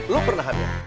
lo pernah hamil